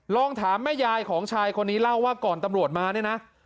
ลองถามแม่ยายของชายคนนี้เล่าว่าก่อนตำรวจมาเนี่ยนะ